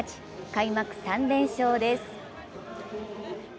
開幕３連勝です。